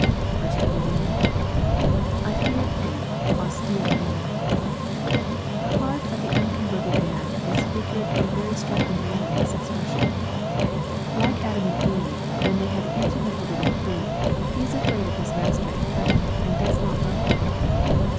21. ^1 /tared ihee,..atistere manJ] The heart of the unconverted man is figured in a very striking manner in this expression. Like Adam and Eve, when they had eaten the forbidden fruit, he is afraid of his Master in heaven, and does not love Him.